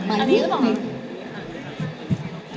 สวัสดีทุกคน